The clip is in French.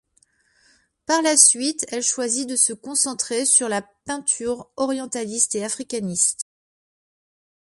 Par la suite, elle choisit de se concentrer sur la peinture orientaliste et africaniste.